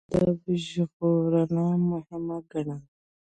عطایي د ولسي ادب ژغورنه مهمه ګڼله.